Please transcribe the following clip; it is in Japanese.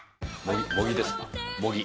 茂木です茂木。